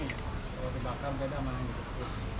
kalau dibakar kadang kadang dikukus